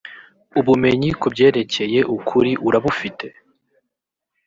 ubumenyi ku byerekeye ukuri urabufite